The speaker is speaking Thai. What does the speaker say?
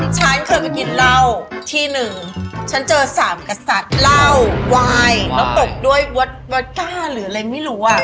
ฉันเคยไปกินเหล้าที่หนึ่งฉันเจอสามกษัตริย์เหล้าวายแล้วตกด้วยวัดก้าหรืออะไรไม่รู้อ่ะ